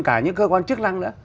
cả những cơ quan chức năng nữa